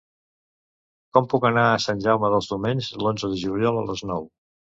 Com puc anar a Sant Jaume dels Domenys l'onze de juliol a les nou?